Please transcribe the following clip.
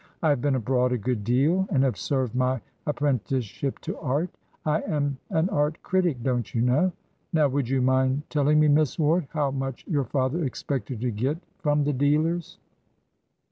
I have been abroad a good deal, and have served my apprenticeship to art. I am an art critic, don't you know. Now, would you mind telling me, Miss Ward, how much your father expected to get from the dealers?"